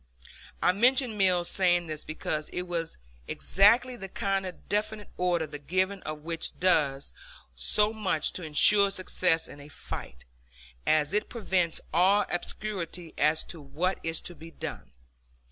I mention Mills saying this because it was exactly the kind of definite order the giving of which does so much to insure success in a fight, as it prevents all obscurity as to what is to be done.